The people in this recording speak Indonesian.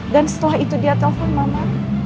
dan setelah itu dia telepon mama